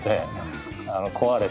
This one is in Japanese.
壊れて。